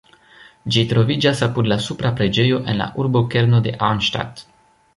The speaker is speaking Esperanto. Ĝi troviĝas apud la Supra preĝejo en la urbokerno de Arnstadt.